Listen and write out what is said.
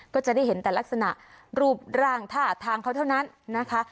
ก็จะได้เห็นแต่ลักษณะรูปร่างท่าทางเขาเท่านั้นนะคะ